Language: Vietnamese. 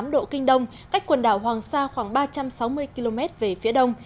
một trăm một mươi năm tám độ kinh đông cách quần đảo hoàng sa khoảng ba trăm sáu mươi km về phía đông